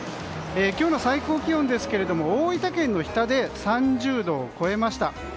今日の最高気温は大分県の日田で３０度を超えました。